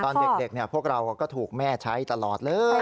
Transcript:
ตอนเด็กพวกเราก็ถูกแม่ใช้ตลอดเลย